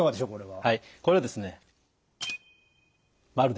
はいこれはですね。